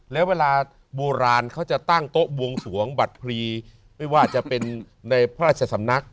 แล้วเวลาโบราณเขาจะตั้งโต๊ะบวงสวงบัตรพลีไม่ว่าจะเป็นในพระราชสำนัก